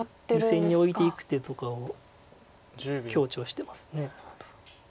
２線にオイていく手とかを強調してます。